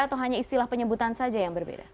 atau hanya istilah penyebutan saja yang berbeda